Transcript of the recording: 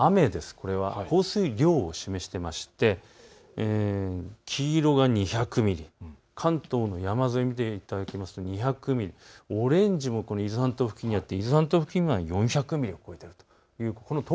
これは降水量を示していまして黄色が２００ミリ、関東の山沿いを見ていただきますと２００ミリ、オレンジも伊豆半島付近にあって伊豆半島付近は４００ミリを超えている。